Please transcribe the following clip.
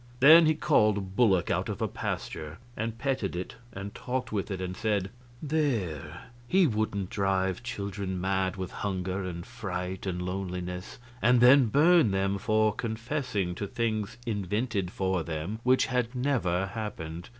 Then he called a bullock out of a pasture and petted it and talked with it, and said: "There he wouldn't drive children mad with hunger and fright and loneliness, and then burn them for confessing to things invented for them which had never happened.